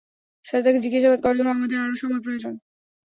Sir, তাকে জিজ্ঞাসাবাদ করার জন্য আমাদের আরও সময় প্রয়োজন।